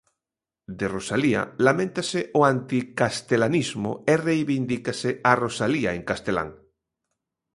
De Rosalía laméntase o anticastelanismo e reivindícase a Rosalía en castelán.